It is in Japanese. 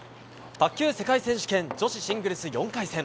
卓球世界選手権女子シングルス４回戦。